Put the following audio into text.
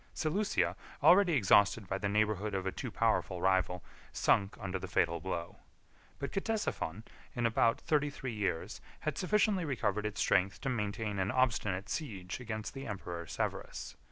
42 Seleucia, already exhausted by the neighborhood of a too powerful rival, sunk under the fatal blow; but Ctesiphon, in about thirty three years, had sufficiently recovered its strength to maintain an obstinate siege against the emperor Severus.